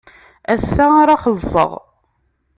Ass-a ara xellṣeɣ.